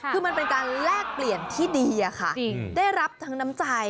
คือมันเป็นการแลกเปลี่ยนที่ดีค่ะได้รับทั้งน้ำใจ